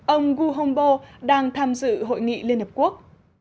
ông gu hongbo đang tham dự hội nghị liên hợp quốc